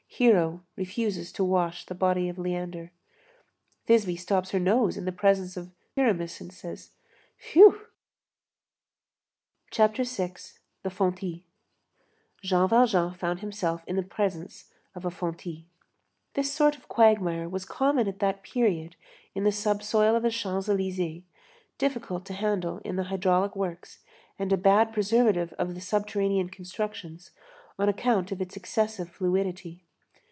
Hero refuses to wash the body of Leander. Thisbe stops her nose in the presence of Pyramus and says: "Phew!" CHAPTER VI—THE FONTIS Jean Valjean found himself in the presence of a fontis. This sort of quagmire was common at that period in the subsoil of the Champs Élysées, difficult to handle in the hydraulic works and a bad preservative of the subterranean constructions, on account of its excessive fluidity.